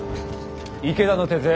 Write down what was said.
池田の手勢